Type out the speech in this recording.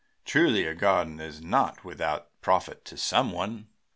Truly, a garden is not without profit to some one."